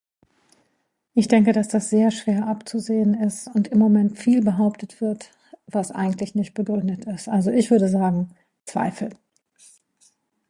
Ich denke das, dass sehr schwer abzusehen ist und im Moment viel behauptet wird, was eigentlich nicht begründet ist. Also ich würde sagen, Zweifel.